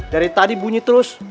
dari tadi bunyi terus